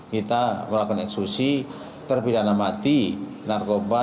kita melakukan eksekusi terpidana mati narkoba